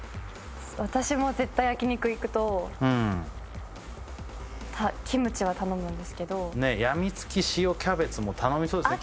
私も絶対焼き肉行くとキムチは頼むんですけどやみつき塩キャベツも頼みそうですね